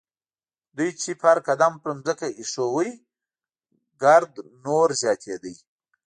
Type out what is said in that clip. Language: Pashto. دوی چې به هر قدم پر ځمکه اېښود ګرد نور زیاتېده.